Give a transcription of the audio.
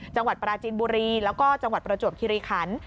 จังหวัดปราจีนบุรีแล้วก็จังหวัดประจวบคิริขัน